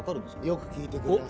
よく聞いてくれた。